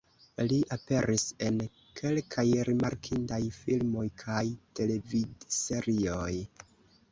Li aperis en kelkaj rimarkindaj filmoj kaj televidserioj.